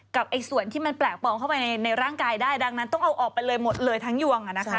กับส่วนที่มันแปลกปลอมเข้าไปในร่างกายได้ดังนั้นต้องเอาออกไปเลยหมดเลยทั้งยวง